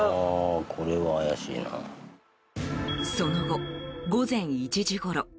その後、午前１時ごろ。